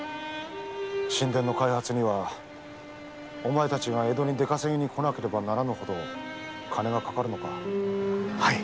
新田の開発にはお前たちが江戸に出稼ぎに来なければならぬほど金がかかるのか。